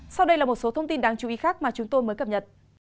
sau đây là một số thông tin đáng chú ý khác mà chúng tôi mới cập nhật